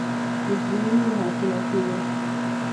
مجرمین محاکمه کیږي.